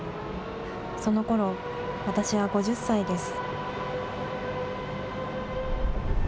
そのころ、私は５０歳です。